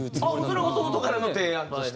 それは弟からの提案として？